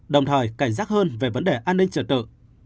đồng thời cảnh giác hơn về vấn đề an ninh trật tự